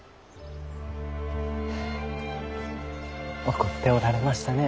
怒っておられましたねぇ。